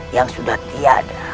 yang sudah tiada